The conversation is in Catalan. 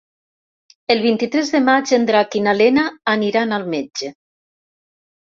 El vint-i-tres de maig en Drac i na Lena aniran al metge.